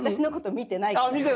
見てない。